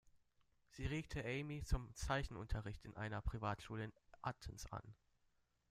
Sie regte Emy zum Zeichenunterricht in einer Privatschule in Atens an.